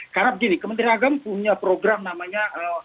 karena begini kementerian agama punya program namanya